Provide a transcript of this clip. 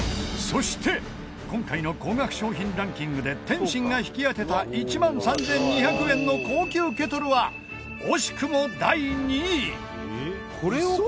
そして今回の高額商品ランキングで天心が引き当てた１万３２００円の高級ケトルは惜しくも第２位。